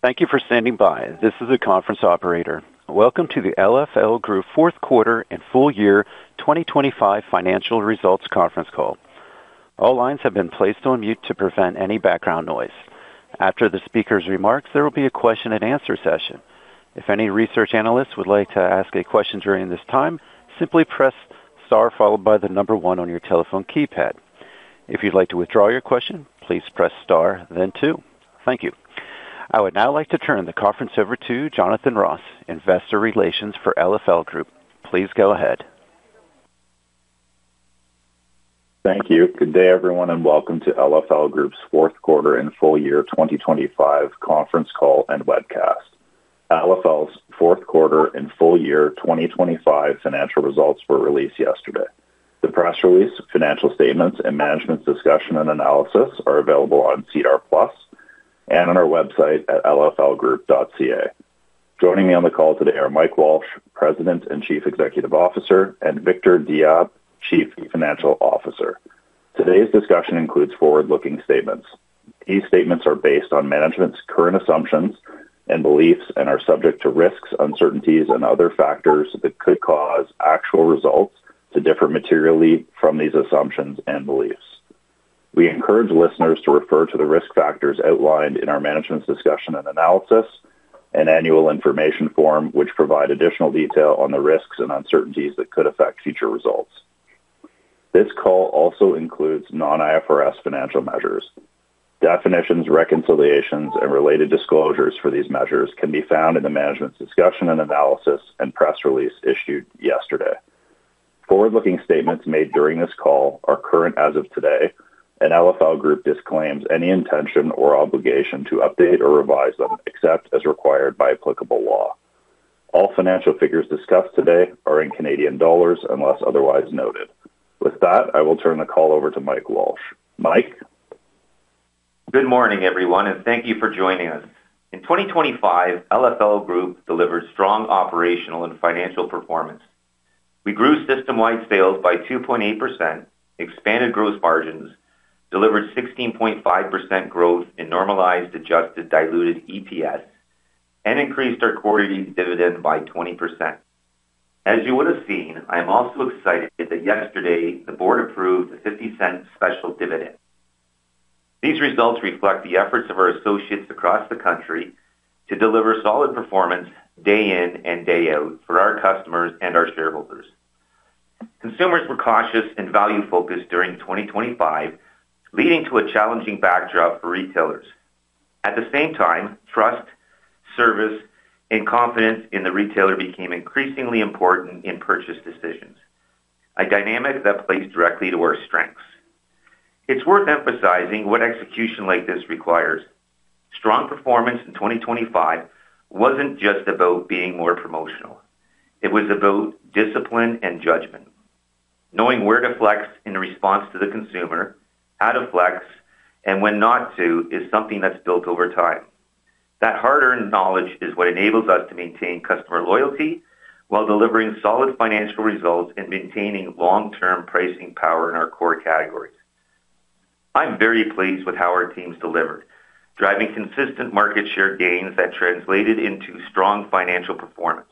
Thank you for standing by. This is the conference operator. Welcome to the LFL Group fourth quarter and full year 2025 financial results conference call. All lines have been placed on mute to prevent any background noise. After the speaker's remarks, there will be a question-and-answer session. If any research analysts would like to ask a question during this time, simply press star followed by one on your telephone keypad. If you'd like to withdraw your question, please press star, then two. Thank you. I would now like to turn the conference over to Jonathan Ross, Investor Relations for LFL Group. Please go ahead. Thank you. Good day, everyone, and welcome to LFL Group's fourth quarter and full year 2025 conference call and webcast. LFL's fourth quarter and full year 2025 financial results were released yesterday. The press release, financial statements, and management's discussion and analysis are available on SEDAR+ and on our website at lflgroup.ca. Joining me on the call today are Mike Walsh, President and Chief Executive Officer, and Victor Diab, Chief Financial Officer. Today's discussion includes forward-looking statements. These statements are based on management's current assumptions and beliefs and are subject to risks, uncertainties, and other factors that could cause actual results to differ materially from these assumptions and beliefs. We encourage listeners to refer to the risk factors outlined in our management's discussion and analysis and annual information form, which provide additional detail on the risks and uncertainties that could affect future results. This call also includes non-IFRS financial measures. Definitions, reconciliations, and related disclosures for these measures can be found in the management's discussion and analysis and press release issued yesterday. Forward-looking statements made during this call are current as of today. LFL Group disclaims any intention or obligation to update or revise them, except as required by applicable law. All financial figures discussed today are in Canadian dollars, unless otherwise noted. With that, I will turn the call over to Mike Walsh. Mike? Good morning, everyone, and thank you for joining us. In 2025, LFL Group delivered strong operational and financial performance. We grew system-wide sales by 2.8%, expanded growth margins, delivered 16.5% growth in normalized, adjusted, diluted EPS, and increased our quarterly dividend by 20%. As you would have seen, I'm also excited that yesterday the board approved a 0.50 special dividend. These results reflect the efforts of our associates across the country to deliver solid performance day in and day out for our customers and our shareholders. Consumers were cautious and value-focused during 2025, leading to a challenging backdrop for retailers. At the same time, trust, service, and confidence in the retailer became increasingly important in purchase decisions, a dynamic that plays directly to our strengths. It's worth emphasizing what execution like this requires. Strong performance in 2025 wasn't just about being more promotional. It was about discipline and judgment. Knowing where to flex in response to the consumer, how to flex, and when not to, is something that's built over time. That hard-earned knowledge is what enables us to maintain customer loyalty while delivering solid financial results and maintaining long-term pricing power in our core categories. I'm very pleased with how our teams delivered, driving consistent market share gains that translated into strong financial performance.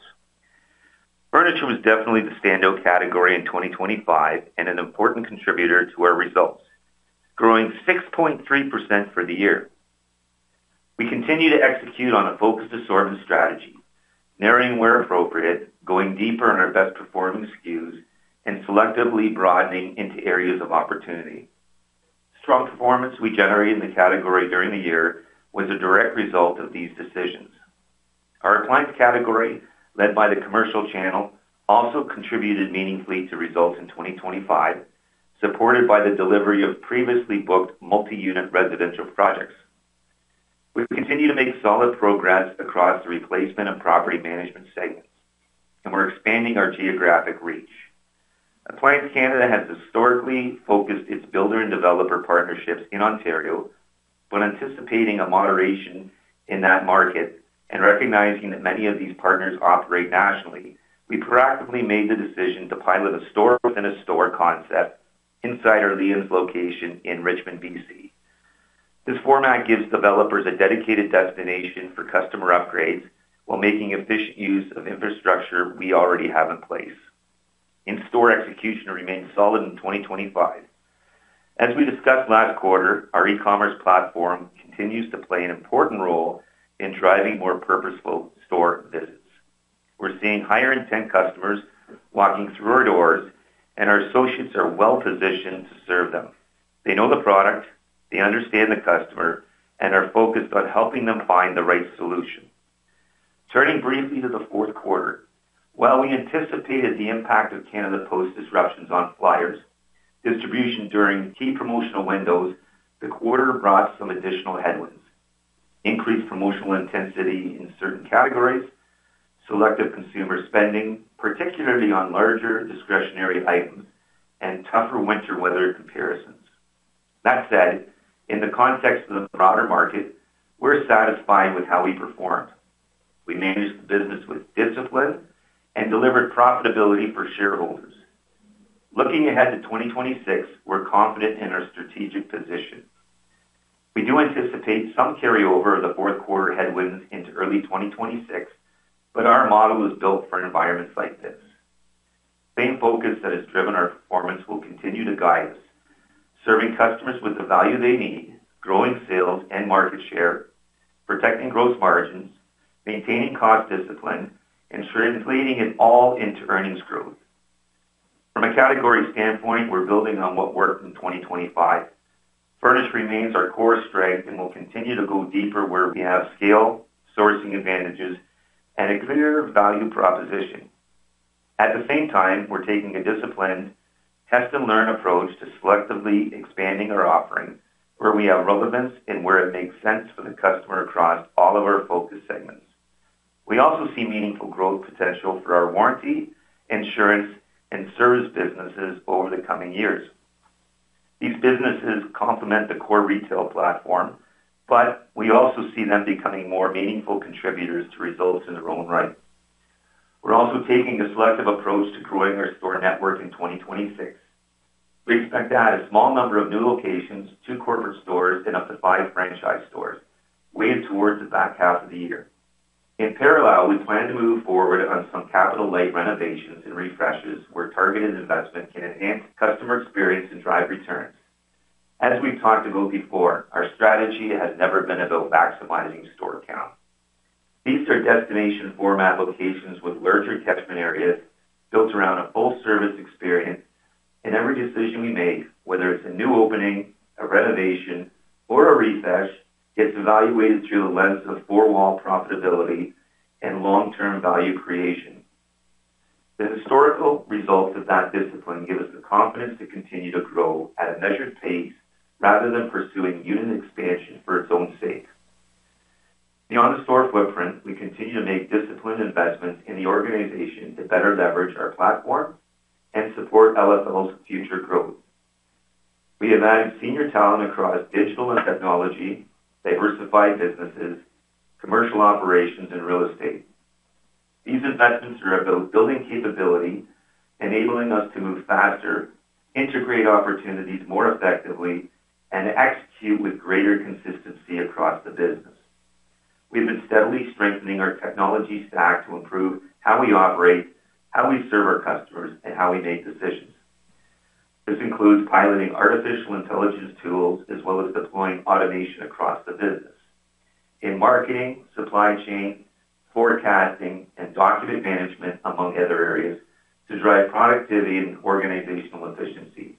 Furniture was definitely the standout category in 2025 and an important contributor to our results, growing 6.3% for the year. We continue to execute on a focused assortment strategy, narrowing where appropriate, going deeper in our best-performing SKUs, and selectively broadening into areas of opportunity. Strong performance we generated in the category during the year was a direct result of these decisions. Our appliance category, led by the commercial channel, also contributed meaningfully to results in 2025, supported by the delivery of previously booked multi-unit residential projects. We've continued to make solid progress across the replacement and property management segments, and we're expanding our geographic reach. Appliance Canada has historically focused its builder and developer partnerships in Ontario, but anticipating a moderation in that market and recognizing that many of these partners operate nationally, we proactively made the decision to pilot a store-within-a-store concept inside our Leon's location in Richmond, B.C. This format gives developers a dedicated destination for customer upgrades while making efficient use of infrastructure we already have in place. In-store execution remains solid in 2025. As we discussed last quarter, our e-commerce platform continues to play an important role in driving more purposeful store visits. We're seeing higher-intent customers walking through our doors, and our associates are well-positioned to serve them. They know the product, they understand the customer, and are focused on helping them find the right solution. Turning briefly to the fourth quarter, while we anticipated the impact of Canada Post disruptions on flyers, distribution during key promotional windows, the quarter brought some additional headwinds, increased promotional intensity in certain categories, selective consumer spending, particularly on larger discretionary items, and tougher winter weather comparisons. That said, in the context of the broader market, we're satisfied with how we performed. We managed the business with discipline and delivered profitability for shareholders. Looking ahead to 2026, we're confident in our strategic position. We do anticipate some carryover of the fourth quarter headwinds into early 2026, but our model is built for environments like this. Same focus that has driven our performance will continue to guide us, serving customers with the value they need, growing sales and market share, protecting gross margins, maintaining cost discipline, and translating it all into earnings growth. From a category standpoint, we're building on what worked in 2025. Furniture remains our core strength, and we'll continue to go deeper where we have scale, sourcing advantages, and a clear value proposition. At the same time, we're taking a disciplined test-and-learn approach to selectively expanding our offering, where we have relevance and where it makes sense for the customer across all of our focus segments. We also see meaningful growth potential for our warranty, insurance, and service businesses over the coming years. These businesses complement the core retail platform, but we also see them becoming more meaningful contributors to results in their own right. We're also taking a selective approach to growing our store network in 2026. We expect to add a small number of new locations, two corporate stores, and up to five franchise stores, weighted towards the back half of the year. In parallel, we plan to move forward on some capital-light renovations and refreshes, where targeted investment can enhance customer experience and drive returns. As we've talked about before, our strategy has never been about maximizing store count. These are destination format locations with large catchment areas built around a full-service experience. Every decision we make, whether it's a new opening, a renovation, or a refresh, gets evaluated through the lens of four-wall profitability and long-term value creation. The historical results of that discipline give us the confidence to continue to grow at a measured pace rather than pursuing unit expansion for its own sake. Beyond the store footprint, we continue to make disciplined investments in the organization to better leverage our platform and support LFL's future growth. We have added senior talent across digital and technology, diversified businesses, commercial operations, and real estate. These investments are about building capability, enabling us to move faster, integrate opportunities more effectively, and execute with greater consistency across the business. We've been steadily strengthening our technology stack to improve how we operate, how we serve our customers, and how we make decisions. This includes piloting artificial intelligence tools, as well as deploying automation across the business in marketing, supply chain, forecasting, and document management, among other areas, to drive productivity and organizational efficiency.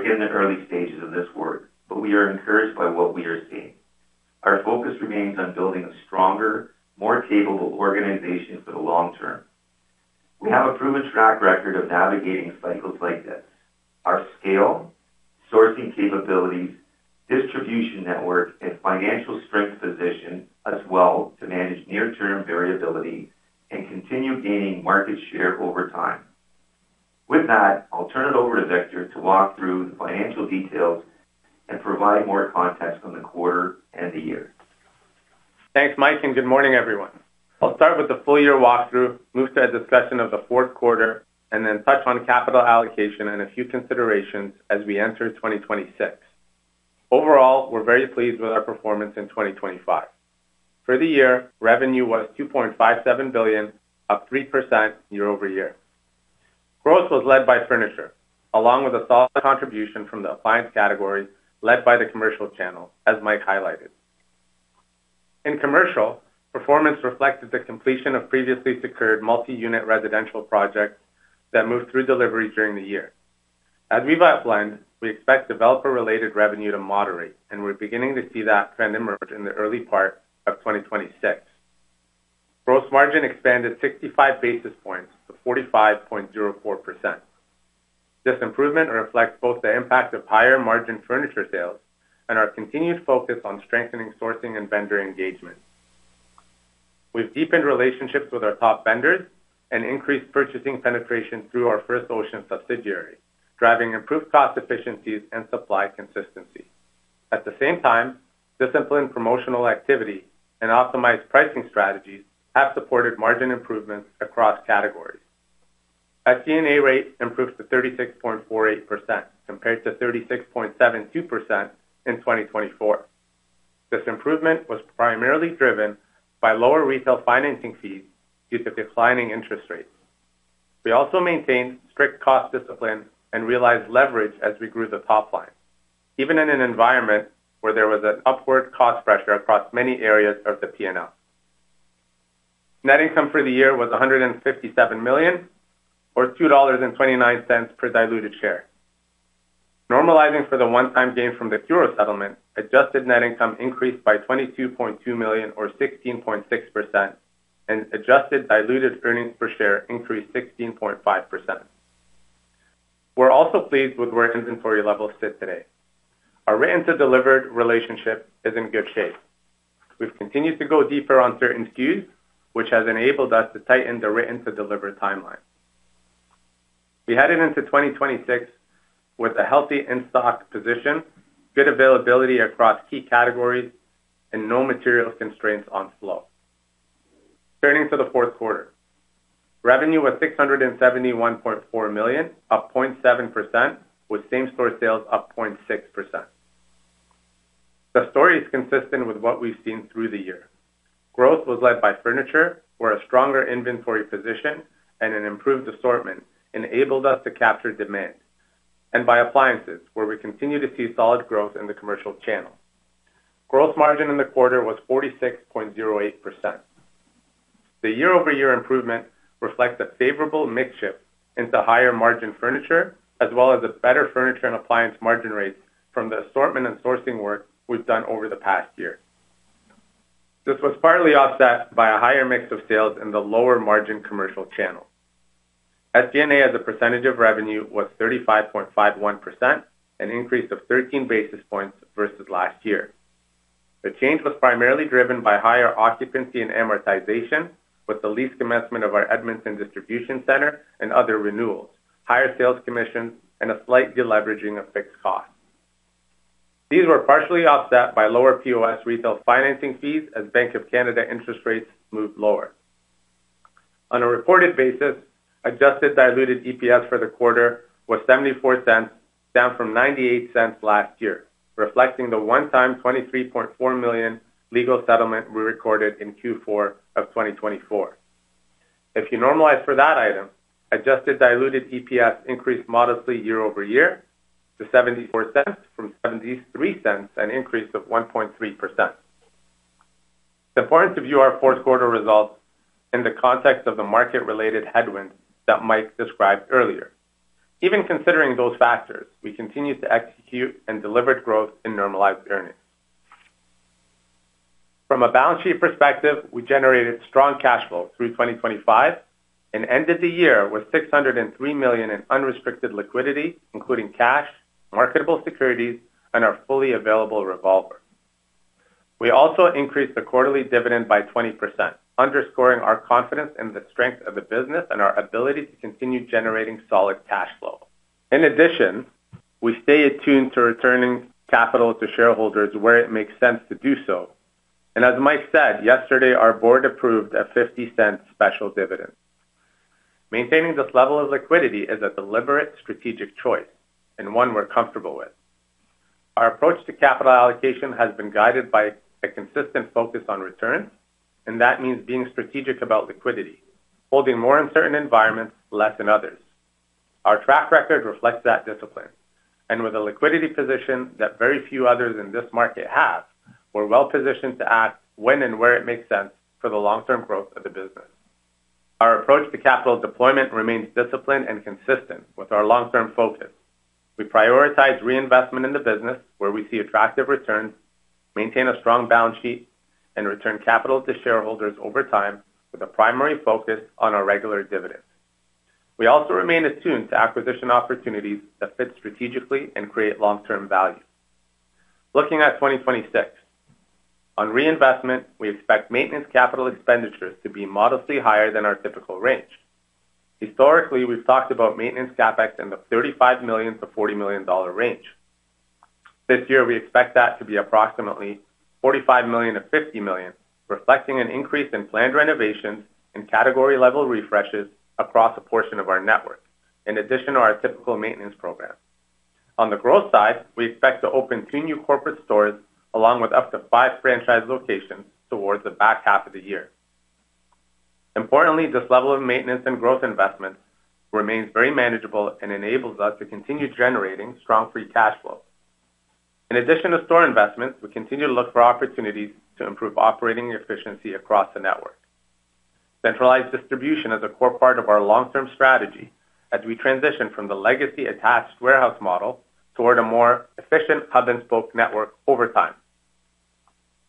We are in the early stages of this work, but we are encouraged by what we are seeing. Our focus remains on building a stronger, more capable organization for the long term. We have a proven track record of navigating cycles like this. Our scale, sourcing capabilities, distribution network, and financial strength position us well to manage near-term variability and continue gaining market share over time. With that, I'll turn it over to Victor to walk through the financial details and provide more context on the quarter and the year. Thanks, Mike. Good morning, everyone. I'll start with the full-year walkthrough, move to a discussion of the fourth quarter, and then touch on capital allocation and a few considerations as we enter 2026. Overall, we're very pleased with our performance in 2025. For the year, revenue was 2.57 billion, up 3% year-over-year. Growth was led by furniture, along with a solid contribution from the appliance category, led by the commercial channel, as Mike highlighted. In commercial, performance reflected the completion of previously secured multi-unit residential projects that moved through delivery during the year. As we've outlined, we expect developer-related revenue to moderate, and we're beginning to see that trend emerge in the early part of 2026. Gross margin expanded 65 basis points to 45.04%. This improvement reflects both the impact of higher-margin furniture sales and our continued focus on strengthening sourcing and vendor engagement. We've deepened relationships with our top vendors and increased purchasing penetration through our First Oceans subsidiary, driving improved cost efficiencies and supply consistency. Disciplined promotional activity and optimized pricing strategies have supported margin improvements across categories. Our SG&A rate improved to 36.48%, compared to 36.72% in 2024. This improvement was primarily driven by lower retail financing fees due to declining interest rates. We also maintained strict cost discipline and realized leverage as we grew the top line, even in an environment where there was an upward cost pressure across many areas of the P&L. Net income for the year was 157 million, or 2.29 dollars per diluted share. Normalizing for the one-time gain from the CURO settlement, adjusted net income increased by 22.2 million or 16.6%, and adjusted diluted earnings per share increased 16.5%. We're also pleased with where inventory levels sit today. Our written-to-delivered relationship is in good shape. We've continued to go deeper on certain SKUs, which has enabled us to tighten the written-to-deliver timeline. We headed into 2026 with a healthy in-stock position, good availability across key categories, and no material constraints on flow. Turning to the fourth quarter. Revenue was 671.4 million, up 0.7%, with same-store sales up 0.6%. The story is consistent with what we've seen through the year. Growth was led by furniture, where a stronger inventory position and an improved assortment enabled us to capture demand, and by appliances, where we continue to see solid growth in the commercial channel. Gross margin in the quarter was 46.08%. The year-over-year improvement reflects a favorable mix shift into higher-margin furniture, as well as a better furniture and appliance margin rates from the assortment and sourcing work we've done over the past year. This was partly offset by a higher mix of sales in the lower-margin commercial channel. SG&A, as a percentage of revenue, was 35.51%, an increase of 13 basis points versus last year. The change was primarily driven by higher occupancy and amortization, with the lease commencement of our Edmonton Distribution Centre and other renewals, higher sales commissions, and a slight deleveraging of fixed costs. These were partially offset by lower POS retail financing fees, as Bank of Canada interest rates moved lower. On a reported basis, adjusted diluted EPS for the quarter was 0.74, down from 0.98 last year, reflecting the one-time 23.4 million legal settlement we recorded in Q4 of 2024. If you normalize for that item, adjusted diluted EPS increased modestly year-over-year to 0.74 from 0.73, an increase of 1.3%. It's important to view our fourth quarter results in the context of the market-related headwinds that Mike described earlier. Even considering those factors, we continued to execute and delivered growth in normalized earnings. From a balance sheet perspective, we generated strong cash flow through 2025 and ended the year with 603 million in unrestricted liquidity, including cash, marketable securities, and our fully available revolver. We also increased the quarterly dividend by 20%, underscoring our confidence in the strength of the business and our ability to continue generating solid cash flow. We stay attuned to returning capital to shareholders where it makes sense to do so, and as Mike said yesterday, our board approved a 0.50 special dividend. Maintaining this level of liquidity is a deliberate strategic choice and one we're comfortable with. Our approach to capital allocation has been guided by a consistent focus on returns, and that means being strategic about liquidity, holding more in certain environments, less in others. Our track record reflects that discipline, and with a liquidity position that very few others in this market have, we're well-positioned to act when and where it makes sense for the long-term growth of the business. Our approach to capital deployment remains disciplined and consistent with our long-term focus. We prioritize reinvestment in the business where we see attractive returns, maintain a strong balance sheet, and return capital to shareholders over time, with a primary focus on our regular dividends. We also remain attuned to acquisition opportunities that fit strategically and create long-term value. Looking at 2026. On reinvestment, we expect maintenance capital expenditures to be modestly higher than our typical range. Historically, we've talked about maintenance CapEx in the 35 million-40 million dollar range. This year, we expect that to be approximately 45 million-50 million, reflecting an increase in planned renovations and category-level refreshes across a portion of our network, in addition to our typical maintenance program. On the growth side, we expect to open two new corporate stores, along with up to five franchise locations towards the back half of the year. Importantly, this level of maintenance and growth investment remains very manageable and enables us to continue generating strong free cash flow. In addition to store investments, we continue to look for opportunities to improve operating efficiency across the network. Centralized distribution is a core part of our long-term strategy as we transition from the legacy attached warehouse model toward a more efficient hub-and-spoke network over time.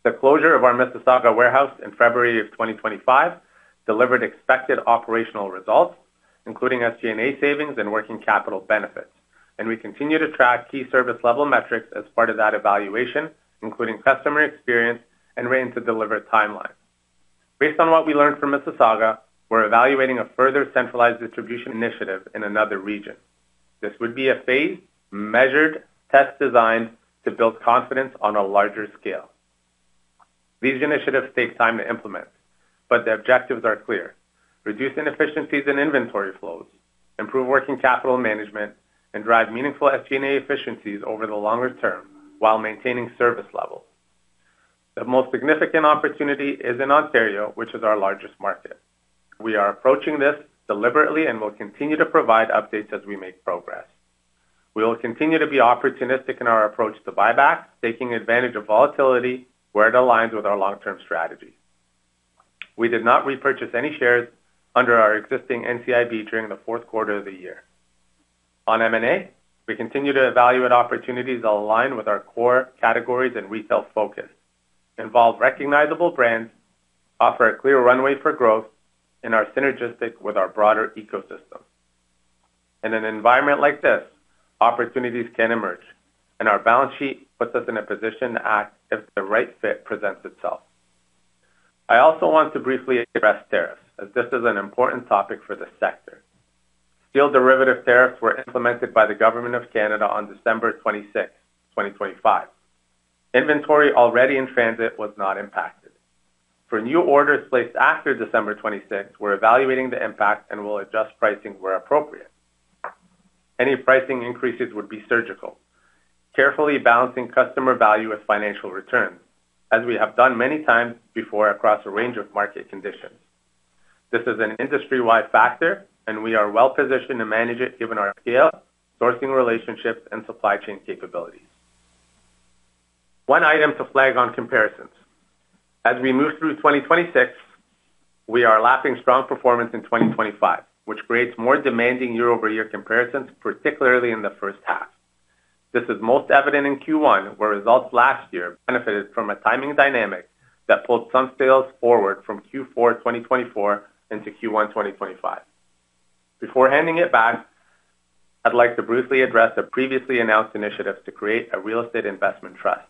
The closure of our Mississauga warehouse in February of 2025 delivered expected operational results, including SG&A savings and working capital benefits. We continue to track key service-level metrics as part of that evaluation, including customer experience and range to deliver timelines. Based on what we learned from Mississauga, we're evaluating a further centralized distribution initiative in another region. This would be a phased, measured test designed to build confidence on a larger scale. These initiatives take time to implement, but the objectives are clear: reduce inefficiencies in inventory flows, improve working capital management, and drive meaningful SG&A efficiencies over the longer term while maintaining service levels. The most significant opportunity is in Ontario, which is our largest market. We are approaching this deliberately and will continue to provide updates as we make progress. We will continue to be opportunistic in our approach to buybacks, taking advantage of volatility where it aligns with our long-term strategy. We did not repurchase any shares under our existing NCIB during the fourth quarter of the year. On M&A, we continue to evaluate opportunities that align with our core categories and retail focus, involve recognizable brands, offer a clear runway for growth, and are synergistic with our broader ecosystem. In an environment like this, opportunities can emerge. Our balance sheet puts us in a position to act if the right fit presents itself. I also want to briefly address tariffs, as this is an important topic for the sector. Steel derivative tariffs were implemented by the Government of Canada on December 26th, 2025. Inventory already in transit was not impacted. For new orders placed after December 26th, we're evaluating the impact and will adjust pricing where appropriate. Any pricing increases would be surgical, carefully balancing customer value with financial returns, as we have done many times before across a range of market conditions. This is an industry-wide factor. We are well-positioned to manage it, given our scale, sourcing relationships, and supply chain capabilities. One item to flag on comparisons. As we move through 2026, we are lapping strong performance in 2025, which creates more demanding year-over-year comparisons, particularly in the first half. This is most evident in Q1, where results last year benefited from a timing dynamic that pulled some sales forward from Q4 2024 into Q1 2025. Before handing it back, I'd like to briefly address the previously announced initiative to create a real estate investment trust.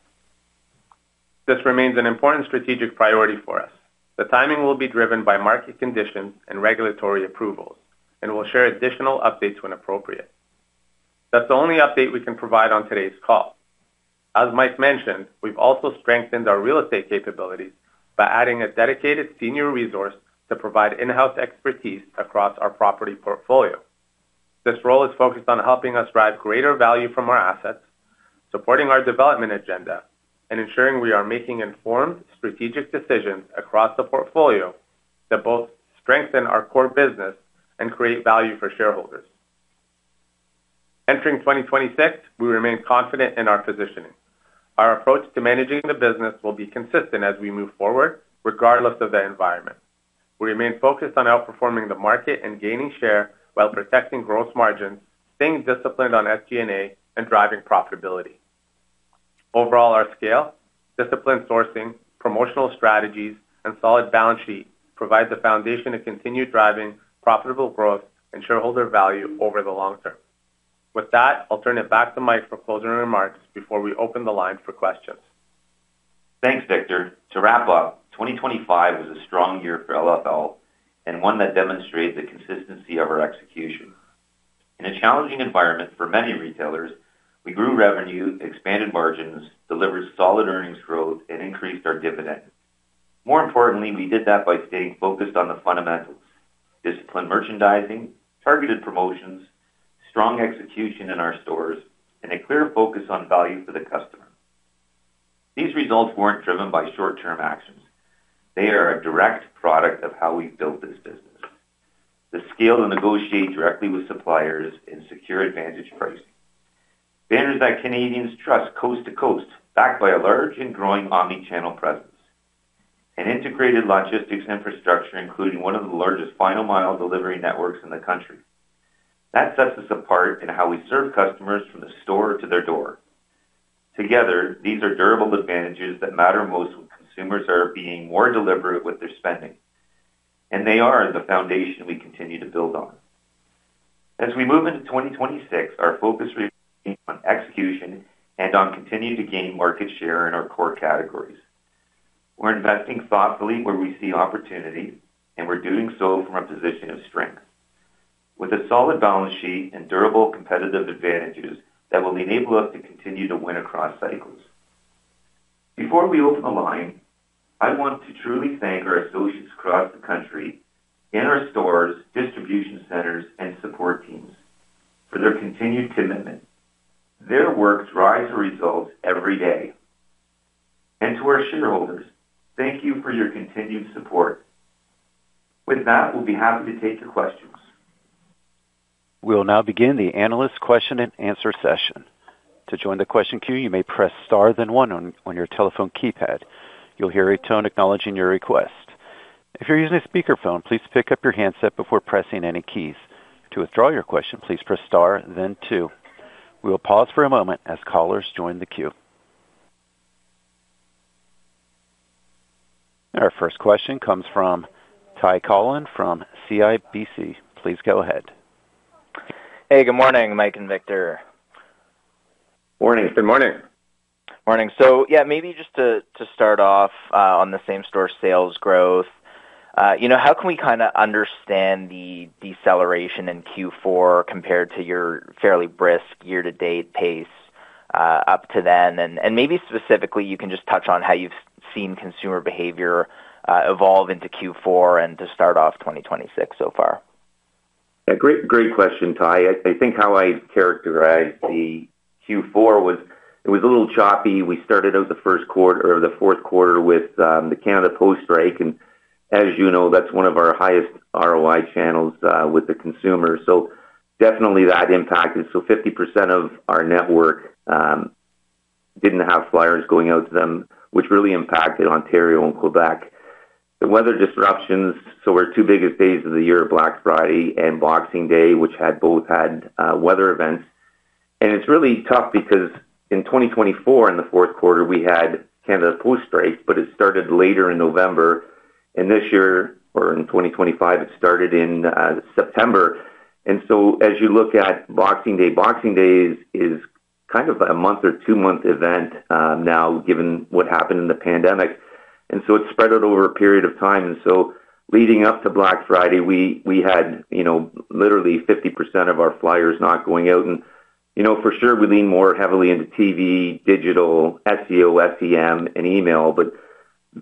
This remains an important strategic priority for us. The timing will be driven by market conditions and regulatory approvals. We'll share additional updates when appropriate. That's the only update we can provide on today's call. As Mike mentioned, we've also strengthened our real estate capabilities by adding a dedicated senior resource to provide in-house expertise across our property portfolio. This role is focused on helping us drive greater value from our assets, supporting our development agenda, and ensuring we are making informed, strategic decisions across the portfolio that both strengthen our core business and create value for shareholders. Entering 2026, we remain confident in our positioning. Our approach to managing the business will be consistent as we move forward, regardless of the environment. We remain focused on outperforming the market and gaining share while protecting gross margins, staying disciplined on SG&A, and driving profitability. Overall, our scale, disciplined sourcing, promotional strategies, and solid balance sheet provide the foundation to continue driving profitable growth and shareholder value over the long term. With that, I'll turn it back to Mike for closing remarks before we open the line for questions. Thanks, Victor. To wrap up, 2025 was a strong year for LFL and one that demonstrated the consistency of our execution. In a challenging environment for many retailers, we grew revenue, expanded margins, delivered solid earnings growth, and increased our dividend. More importantly, we did that by staying focused on the fundamentals: disciplined merchandising, targeted promotions, strong execution in our stores, and a clear focus on value for the customer. These results weren't driven by short-term actions. They are a direct product of how we've built this business. The scale to negotiate directly with suppliers and secure advantage pricing. Banners that Canadians trust coast to coast, backed by a large and growing omnichannel presence. An integrated logistics infrastructure, including one of the largest final-mile delivery networks in the country. That sets us apart in how we serve customers from the store to their door. Together, these are durable advantages that matter most when consumers are being more deliberate with their spending. They are the foundation we continue to build on. As we move into 2026, our focus remains on execution and on continuing to gain market share in our core categories. We're investing thoughtfully where we see opportunity. We're doing so from a position of strength, with a solid balance sheet and durable competitive advantages that will enable us to continue to win across cycles. Before we open the line, I want to truly thank our associates across the country, in our stores, distribution centres, and support teams for their continued commitment. Their work drives results every day. To our shareholders, thank you for your continued support. With that, we'll be happy to take your questions. We'll now begin the analyst question-and-answer session. To join the question queue, you may press star then one on your telephone keypad. You'll hear a tone acknowledging your request. If you're using a speakerphone, please pick up your handset before pressing any keys. To withdraw your question, please press star then two. We will pause for a moment as callers join the queue. Our first question comes from Ty Collin from CIBC. Please go ahead. Hey, good morning, Mike and Victor. Morning. Good morning. Morning. Yeah, maybe just to start off on the same-store sales growth. You know, how can we kinda understand the deceleration in Q4 compared to your fairly brisk year-to-date pace up to then? Maybe specifically, you can just touch on how you've seen consumer behavior evolve into Q4 and to start off 2026 so far. Great question, Ty. I think how I'd characterize the Q4 was it was a little choppy. We started out the fourth quarter with the Canada Post strike, as you know, that's one of our highest ROI channels with the consumer. Definitely that impacted. 50% of our network didn't have flyers going out to them, which really impacted Ontario and Quebec. The weather disruptions, our two biggest days of the year, Black Friday and Boxing Day, which had both weather events. It's really tough because in 2024, in the fourth quarter, we had the Canada Post strike, it started later in November, this year, or in 2025, it started in September. As you look at Boxing Day, Boxing Day is kind of a month or two-month event, now, given what happened in the pandemic. It spread out over a period of time, leading up to Black Friday, we had, you know, literally 50% of our flyers not going out. You know, for sure, we lean more heavily into TV, digital, SEO, SEM, and email, but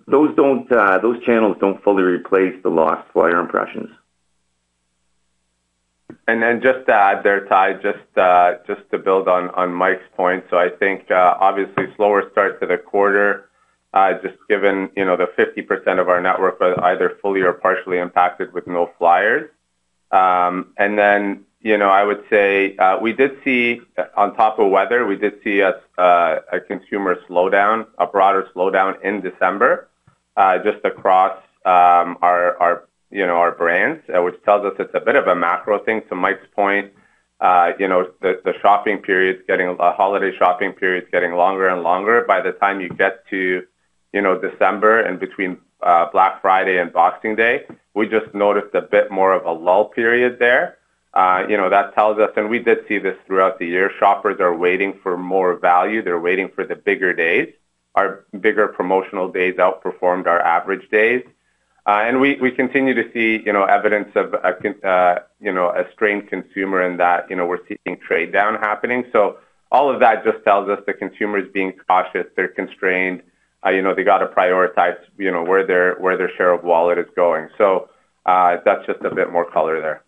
those don't, those channels don't fully replace the lost flyer impressions. Just to add there, Ty, just to build on Mike's point. I think, obviously, slower start to the quarter, just given, you know, the 50% of our network was either fully or partially impacted with no flyers. You know, I would say, we did see, on top of weather, we did see a consumer slowdown, a broader slowdown in December, just across our, you know, our brands, which tells us it's a bit of a macro thing. To Mike's point, you know, the holiday shopping period is getting longer and longer. By the time you get to, you know, December and between Black Friday and Boxing Day, we just noticed a bit more of a lull period there. You know, that tells us, and we did see this throughout the year, shoppers are waiting for more value. They're waiting for the bigger days. Our bigger promotional days outperformed our average days. And we continue to see, you know, evidence of a strained consumer and that, you know, we're seeing trade down happening. All of that just tells us the consumer is being cautious, they're constrained, you know, they got to prioritize, you know, where their share of wallet is going. That's just a bit more color there.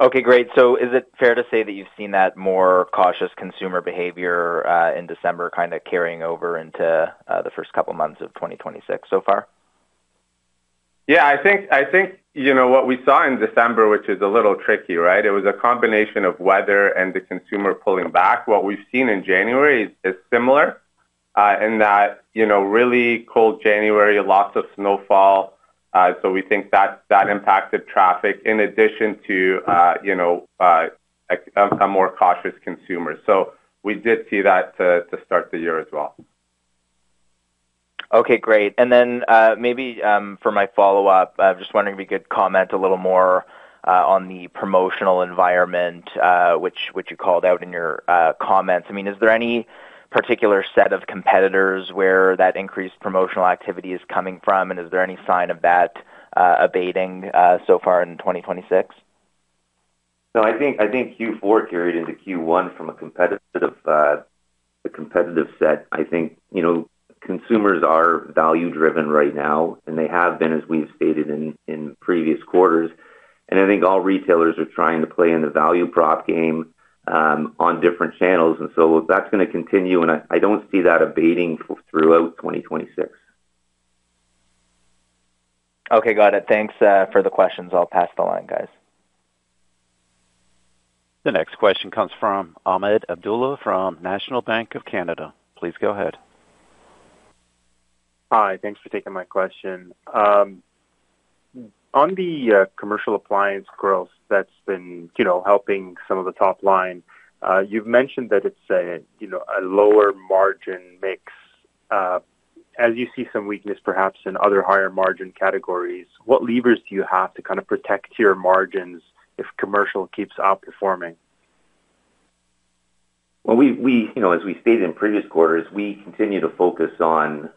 Okay, great. Is it fair to say that you've seen that more cautious consumer behavior, in December, kind of carrying over into, the first couple of months of 2026 so far? I think, you know, what we saw in December, which is a little tricky, right? It was a combination of weather and the consumer pulling back. What we've seen in January is similar, in that, you know, really cold January, lots of snowfall, so we think that impacted traffic in addition to, you know, a more cautious consumer. We did see that to start the year as well. Okay, great. Maybe, for my follow-up, I was just wondering if you could comment a little more on the promotional environment, which you called out in your comments. I mean, is there any particular set of competitors where that increased promotional activity is coming from? Is there any sign of that abating so far in 2026? I think Q4 carried into Q1 from a competitive, a competitive set. I think, you know, consumers are value-driven right now, and they have been, as we've stated in previous quarters. I think all retailers are trying to play in the value prop game on different channels, and so that's gonna continue, and I don't see that abating throughout 2026. Okay, got it. Thanks for the questions. I'll pass the line, guys. The next question comes from Ahmed Abdullah from National Bank of Canada. Please go ahead. Hi, thanks for taking my question. On the commercial appliance growth that's been, you know, helping some of the top line, you've mentioned that it's a, you know, a lower margin mix. As you see some weakness, perhaps in other higher margin categories, what levers do you have to kind of protect your margins if commercial keeps outperforming? Well, we, you know, as we stated in previous quarters, we continue to focus on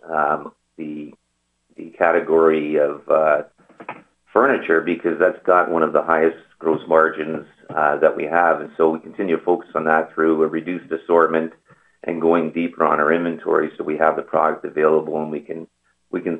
the category of furniture because that's got one of the highest gross margins that we have. So we continue to focus on that through a reduced assortment and going deeper on our inventory, so we have the product available and we can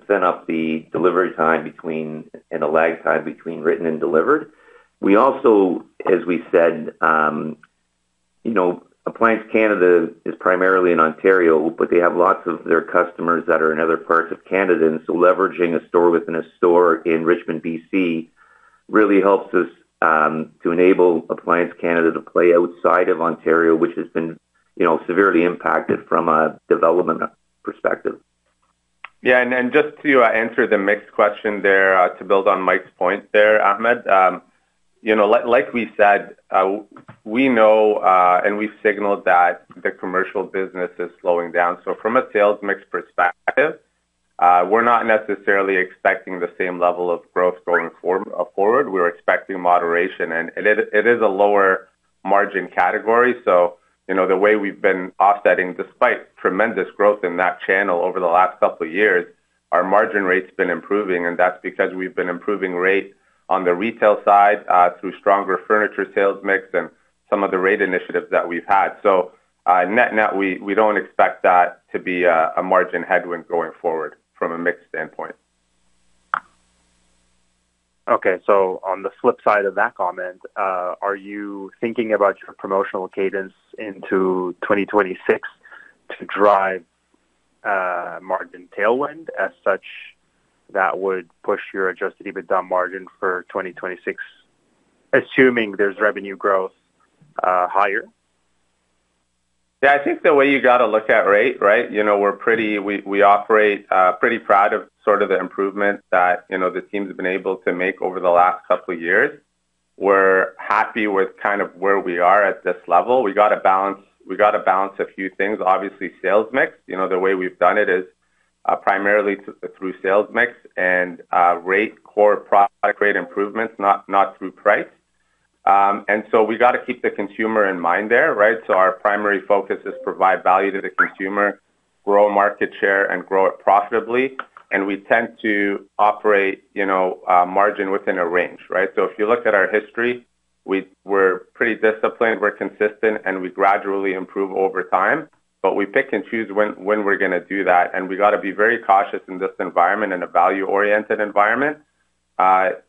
spin up the delivery time between, and a lag time between written and delivered. We also, as we said, you know, Appliance Canada is primarily in Ontario, but they have lots of their customers that are in other parts of Canada. So leveraging a store-within-a-store in Richmond, B.C., really helps us to enable Appliance Canada to play outside of Ontario, which has been, you know, severely impacted from a development perspective. Just to answer the mix question there, to build on Mike's point there, Ahmed, you know, like we said, we know and we signaled that the commercial business is slowing down. From a sales mix perspective, we're not necessarily expecting the same level of growth going forward. We're expecting moderation, and it is a lower margin category. You know, the way we've been offsetting, despite tremendous growth in that channel over the last couple of years, our margin rate's been improving, and that's because we've been improving rate on the retail side, through stronger furniture sales mix and some of the rate initiatives that we've had. Net-net, we don't expect that to be a margin headwind going forward from a mix standpoint. Okay. On the flip side of that comment, are you thinking about your promotional cadence into 2026 to drive margin tailwind as such, that would push your adjusted EBITDA margin for 2026, assuming there's revenue growth, higher? Yeah, I think the way you got to look at rate, right. You know, we operate pretty proud of sort of the improvements that, you know, the team's been able to make over the last couple of years. We're happy with kind of where we are at this level. We got to balance a few things. Obviously, sales mix, you know, the way we've done it is primarily through sales mix and rate core product rate improvements, not through price. We've got to keep the consumer in mind there, right. Our primary focus is provide value to the consumer, grow market share, and grow it profitably. We tend to operate, you know, margin within a range, right. If you look at our history, we're pretty disciplined, we're consistent, and we gradually improve over time, but we pick and choose when we're gonna do that, and we've got to be very cautious in this environment and a value-oriented environment,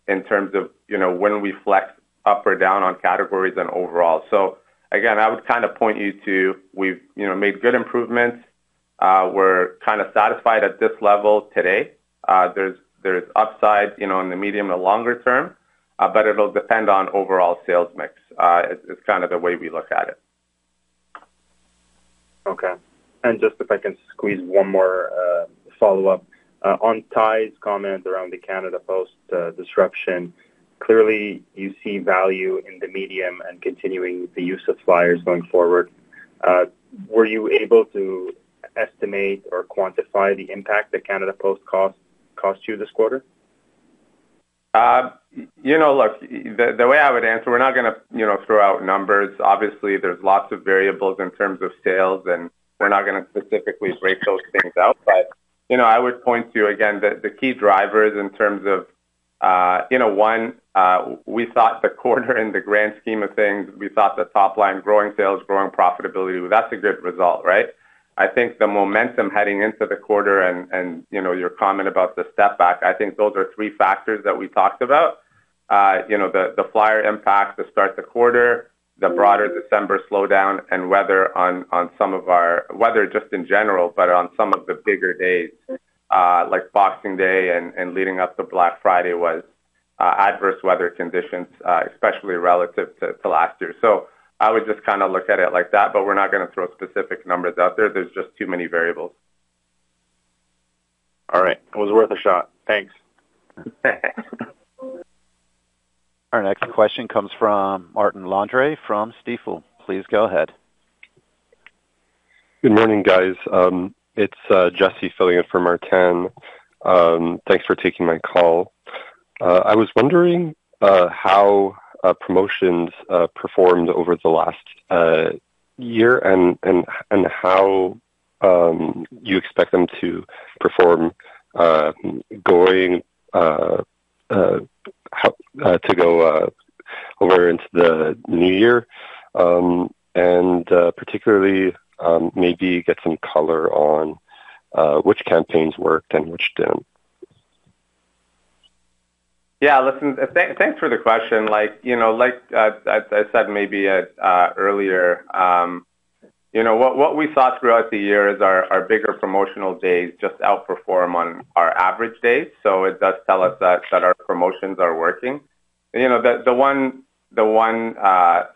in terms of, you know, when we flex up or down on categories and overall. Again, I would kind of point you to we've, you know, made good improvements. We're kind of satisfied at this level today. There's upside, you know, in the medium and longer term, but it'll depend on overall sales mix. It's kind of the way we look at it. Okay. Just if I can squeeze one more, follow-up. On Ty's comment around the Canada Post disruption, clearly you see value in the medium and continuing the use of flyers going forward. Were you able to estimate or quantify the impact that Canada Post cost you this quarter? You know, look, the way I would answer, we're not gonna, you know, throw out numbers. Obviously, there's lots of variables in terms of sales, and we're not gonna specifically break those things out. You know, I would point to, again, the key drivers in terms of, you know, one, we thought the quarter in the grand scheme of things, we thought the top line, growing sales, growing profitability, that's a good result, right? I think the momentum heading into the quarter and, you know, your comment about the step back, I think those are three factors that we talked about. You know, the flyer impact to start the quarter, the broader December slowdown and weather on some of our— Weather just in general, but on some of the bigger days, like Boxing Day and leading up to Black Friday, was adverse weather conditions, especially relative to last year. I would just kind of look at it like that, but we're not gonna throw specific numbers out there. There's just too many variables. All right. It was worth a shot. Thanks. Our next question comes from Martin Landry from Stifel. Please go ahead. Good morning, guys. It's Jesse filling in for Martin. Thanks for taking my call. I was wondering how promotions performed over the last year and how you expect them to perform how to go over into the new year? Particularly, maybe get some color on which campaigns worked and which didn't. Yeah, listen, thanks for the question. Like, you know, like, as I said, maybe earlier, you know, what we saw throughout the year is our bigger promotional days just outperform on our average days, so it does tell us that our promotions are working. You know, the one, the one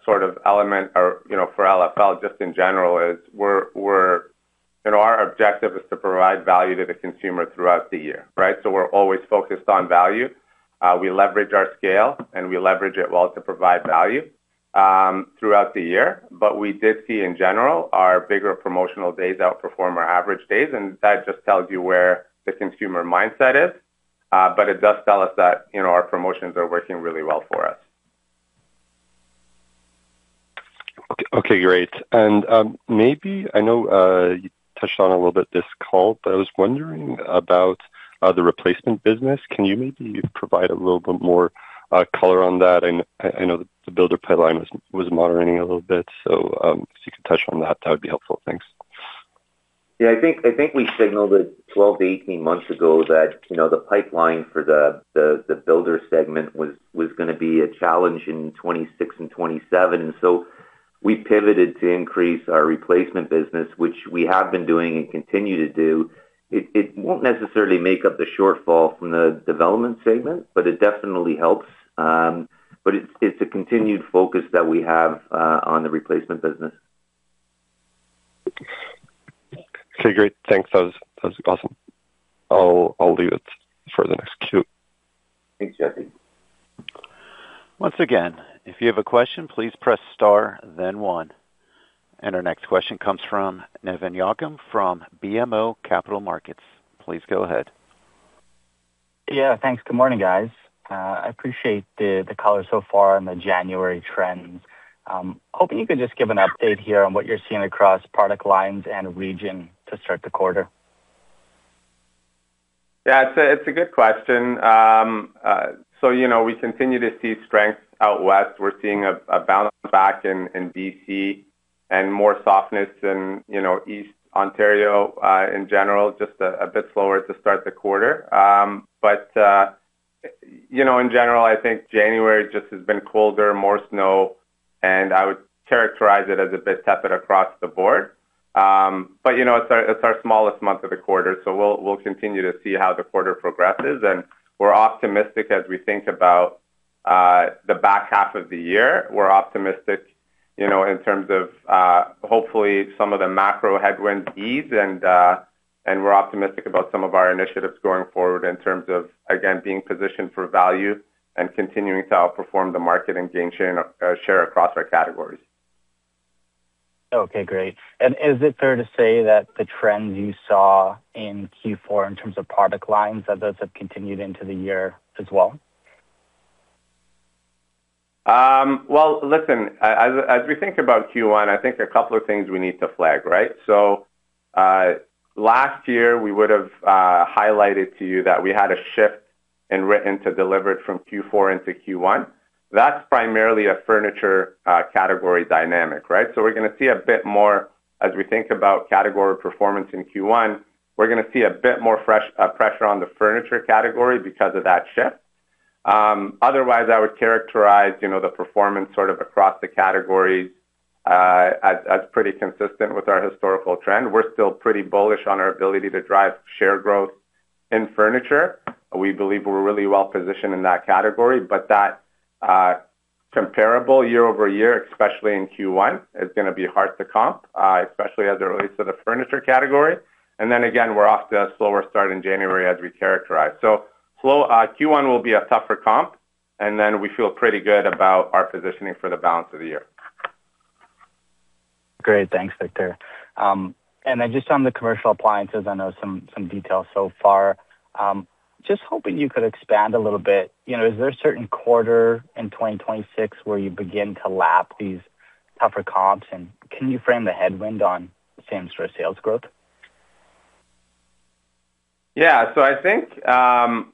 sort of element or, you know, for LFL, just in general, is we're, you know, our objective is to provide value to the consumer throughout the year, right? We're always focused on value. We leverage our scale, and we leverage it well to provide value throughout the year. We did see, in general, our bigger promotional days outperform our average days, and that just tells you where the consumer mindset is. It does tell us that, you know, our promotions are working really well for us. Okay, great. Maybe, I know, you touched on a little bit this call, but I was wondering about the replacement business. Can you maybe provide a little bit more color on that? I know, I know the builder pipeline was moderating a little bit, if you could touch on that would be helpful. Thanks. Yeah, I think we signaled it 12-18 months ago that, you know, the pipeline for the builder segment was gonna be a challenge in 2026 and 2027. We pivoted to increase our replacement business, which we have been doing and continue to do. It won't necessarily make up the shortfall from the development segment, but it definitely helps. It's a continued focus that we have on the replacement business. Okay, great. Thanks. That was awesome. I'll leave it for the next queue. Thanks, Jesse. Once again, if you have a question, please press star, then one. Our next question comes from Nevan Yochim from BMO Capital Markets. Please go ahead. Yeah, thanks. Good morning, guys. I appreciate the color so far on the January trends. Hoping you can just give an update here on what you're seeing across product lines and region to start the quarter. Yeah, it's a, it's a good question. You know, we continue to see strength out west. We're seeing a bounce back in B.C. and more softness in, you know, Eastern Ontario, in general, just a bit slower to start the quarter. You know, in general, I think January just has been colder, more snow, and I would characterize it as a bit tepid across the board. You know, it's our, it's our smallest month of the quarter, so we'll continue to see how the quarter progresses, and we're optimistic as we think about the back half of the year. We're optimistic, you know, in terms of, hopefully some of the macro headwinds ease and we're optimistic about some of our initiatives going forward in terms of, again, being positioned for value and continuing to outperform the market and gain chain, share across our categories. Okay, great. Is it fair to say that the trends you saw in Q4 in terms of product lines, that those have continued into the year as well? Well, listen, as we think about Q1, I think there are a couple of things we need to flag, right? Last year, we would have highlighted to you that we had a shift in written-to-delivered from Q4 into Q1. That's primarily a furniture category dynamic, right? We're gonna see a bit more as we think about category performance in Q1, we're gonna see a bit more fresh pressure on the furniture category because of that shift. Otherwise, I would characterize, you know, the performance sort of across the categories as pretty consistent with our historical trend. We're still pretty bullish on our ability to drive share growth in furniture. We believe we're really well positioned in that category, but that, comparable year-over-year, especially in Q1, is gonna be hard to comp, especially as it relates to the furniture category. Then again, we're off to a slower start in January as we characterize. Slow, Q1 will be a tougher comp, and then we feel pretty good about our positioning for the balance of the year. Great. Thanks, Victor. Just on the commercial appliances, I know some details so far. Just hoping you could expand a little bit. You know, is there a certain quarter in 2026 where you begin to lap these tougher comps, and can you frame the headwind on same-store sales growth? Yeah. I think,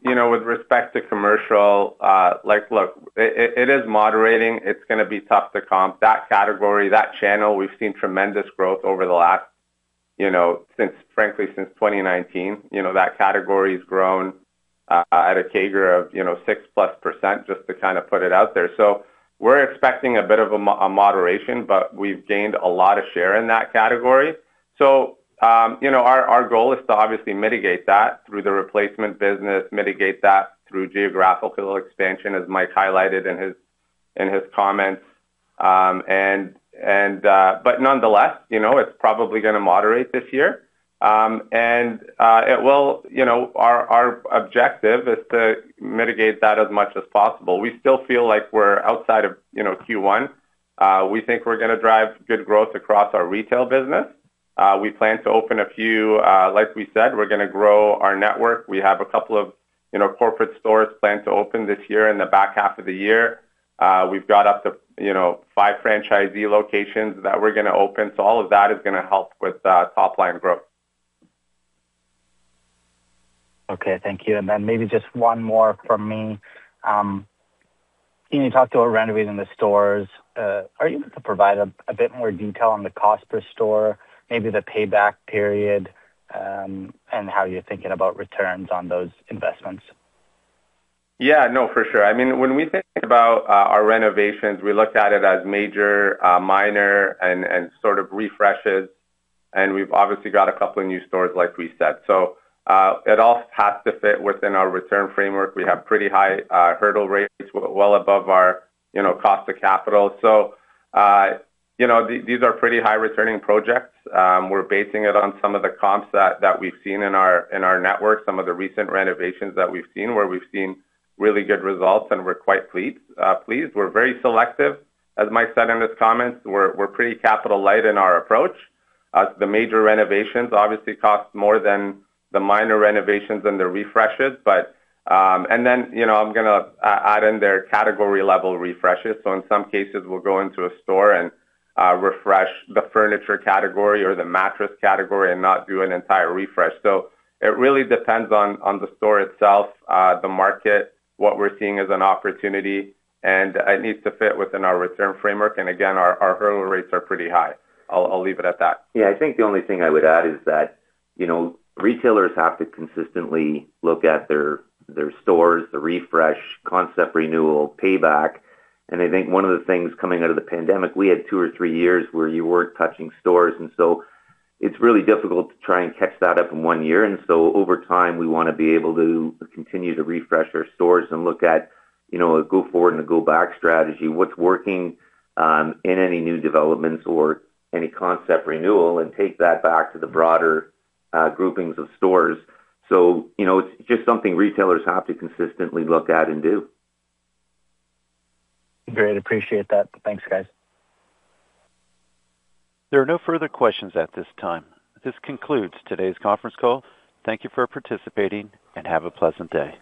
you know, with respect to commercial, like, look, it, it is moderating. It's gonna be tough to comp. That category, that channel, we've seen tremendous growth over the last, you know, since, frankly, since 2019. You know, that category has grown at a CAGR of, you know, 6%+, just to kind of put it out there. We're expecting a bit of a moderation, but we've gained a lot of share in that category. Our goal is to obviously mitigate that through the replacement business, mitigate that through geographical expansion, as Mike highlighted in his comments. But nonetheless, you know, it's probably gonna moderate this year. Our objective is to mitigate that as much as possible. We still feel like we're outside of, you know, Q1. We think we're gonna drive good growth across our retail business. We plan to open a few, like we said, we're gonna grow our network. We have a couple of, you know, corporate stores planned to open this year in the back half of the year. We've got up to, you know, five franchisee locations that we're gonna open, so all of that is gonna help with top-line growth. Okay, thank you. Maybe just one more from me. Can you talk to renovating the stores? Are you able to provide a bit more detail on the cost per store, maybe the payback period, and how you're thinking about returns on those investments? Yeah, no, for sure. I mean, when we think about our renovations, we look at it as major, minor, and sort of refreshes, and we've obviously got a couple of new stores, like we said. It all has to fit within our return framework. We have pretty high hurdle rates, well above our, you know, cost of capital. You know, these are pretty high returning projects. We're basing it on some of the comps that we've seen in our network, some of the recent renovations that we've seen, where we've seen really good results, and we're quite pleased. We're very selective. As Mike said in his comments, we're pretty capital light in our approach. The major renovations obviously cost more than the minor renovations and the refreshes, but— You know, I'm gonna add in there category-level refreshes. In some cases, we'll go into a store and refresh the furniture category or the mattress category and not do an entire refresh. It really depends on the store itself, the market, what we're seeing as an opportunity, and it needs to fit within our return framework, and again, our hurdle rates are pretty high. I'll leave it at that. Yeah. I think the only thing I would add is that, you know, retailers have to consistently look at their stores, the refresh, concept renewal, payback. I think one of the things coming out of the pandemic, we had two or three years where you weren't touching stores, it's really difficult to try and catch that up in one year. Over time, we want to be able to continue to refresh our stores and look at, you know, a go forward and a go back strategy, what's working, in any new developments or any concept renewal, and take that back to the broader groupings of stores. You know, it's just something retailers have to consistently look at and do. Great. Appreciate that. Thanks, guys. There are no further questions at this time. This concludes today's conference call. Thank you for participating, and have a pleasant day.